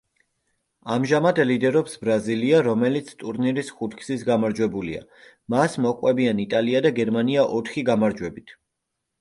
ამჟამად ლიდერობს ბრაზილია, რომელიც ტურნირის ხუთგზის გამარჯვებულია, მას მოჰყვებიან იტალია და გერმანია ოთხი გამარჯვებით.